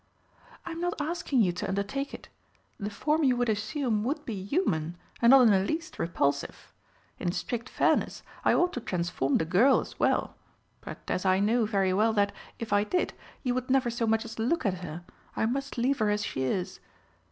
"I'm not asking you to undertake it. The form you would assume would be human, and not in the least repulsive. In strict fairness I ought to transform the girl as well, but as I know very well that, if I did, you would never so much as look at her, I must leave her as she is.